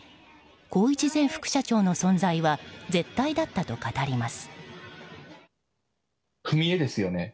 宏一前副社長の存在は絶対だったと語ります。